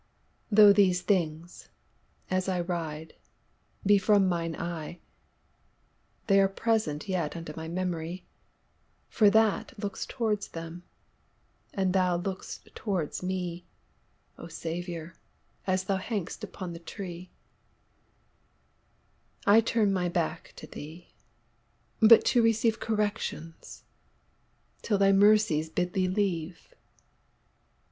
Though these things, as I ride, be from mine eye, They'are present yet unto my memory, For that looks towards them; and thou look'st towards mee,O Saviour, as thou hang'st upon the tree;I turne my backe to thee, but to receiveCorrections, till thy mercies bid thee leave.